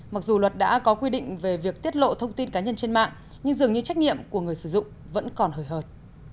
mặc dù luật đã có quy định về việc tiết lộ thông tin cá nhân trên mạng nhưng dường như trách nhiệm của người sử dụng vẫn còn hời hợt